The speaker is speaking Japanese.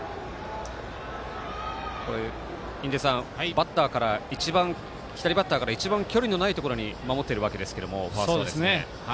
印出さん、左バッターから一番距離のないところに守っているわけですけどファースト。